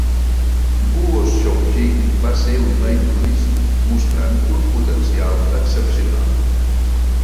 Guo Shoujing va ser un noi prodigi, mostrant un potencial excepcional.